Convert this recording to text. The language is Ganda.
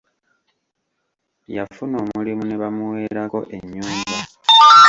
Yafuna omulimu ne bamuweerako ennyumba.